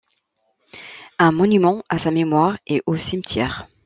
Un monument à sa mémoire est au cimetière.